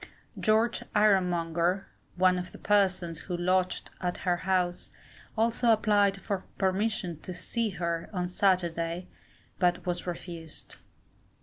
George Ironmonger, one of the persons who lodged at her house, also applied for permission to to see her on Saturday, but was refused.